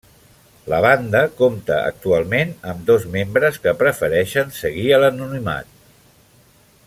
La banda compta actualment amb dos membres, que prefereixen seguir a l'anonimat.